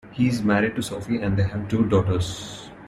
He is married to Sophie and they have two daughters.